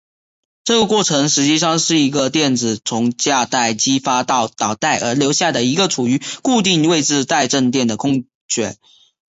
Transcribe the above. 这个过程实际上是一个电子从价带激发到导带而留下一个处于固定位置带正电的空穴。